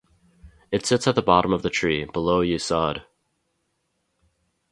It sits at the bottom of the Tree, below Yesod.